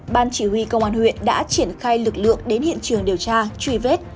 ban chỉ huy công an huyện đã triển khai lực lượng đến hiện trường điều tra truy vết